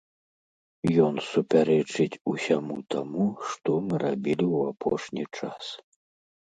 Ён супярэчыць усяму таму, што мы рабілі ў апошні час.